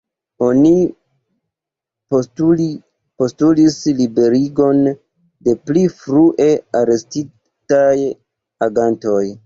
Oni postulis liberigon de pli frue arestitaj agantoj.